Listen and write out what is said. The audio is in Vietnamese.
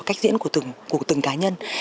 cách diễn của từng cá nhân